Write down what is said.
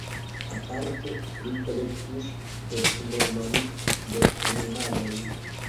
Aparte li kolektis specimenojn de animaloj.